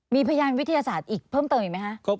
มีพยานวิทยาศาสตร์อีกเพิ่มเติมอีกไหมคะ